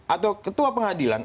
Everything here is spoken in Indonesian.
atau ketua pengadilan